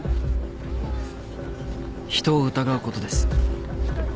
人を疑うことです。